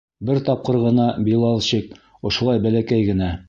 Бер тапҡыр ғына, Билалчик, ошолай бәләкәй генә!